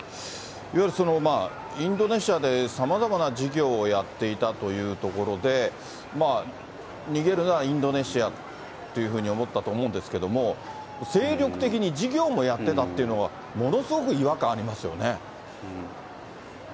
いわゆるインドネシアでさまざまな事業をやっていたというところで、逃げるならインドネシアというふうに思ったと思うんですけれども、精力的に事業もやってたっていうのが、ものすごく違和感ありますよね。